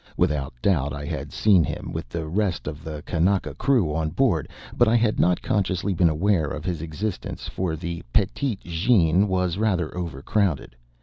Without doubt I had seen him with the rest of the kanaka crew on board, but I had not consciously been aware of his existence, for the Petite Jeanne was rather overcrowded.